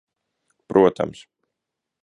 Protams.